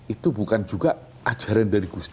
itu bukan juga ajaran dari kusama